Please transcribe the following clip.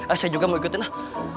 ah saya juga mau ikutin ah